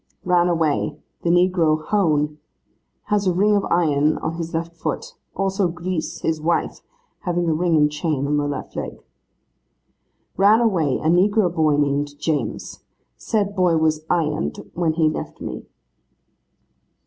'Ran away, the negro Hown. Has a ring of iron on his left foot. Also, Grise, his wife, having a ring and chain on the left leg.' 'Ran away, a negro boy named James. Said boy was ironed when he left me.